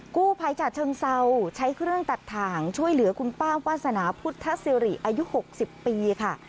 กู้ภัยจากเชิงเซาใช้เครื่องตัดถ่างช่วยเหลือคุณป้าวาสนาพุทธศิริอายุ๖๐ปีค่ะ